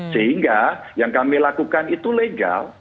sehingga yang kami lakukan itu legal